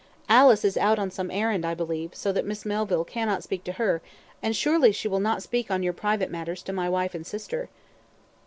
Alice is out on some errand, I believe; so that Miss Melville cannot speak to her, and she surely will not speak on your private matters to my wife and sister."